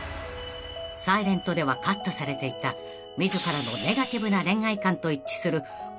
［『ｓｉｌｅｎｔ』ではカットされていた自らのネガティブな恋愛観と一致する幻のせりふとは？］